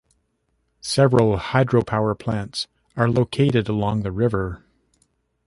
Several hydropower plants are located along the river.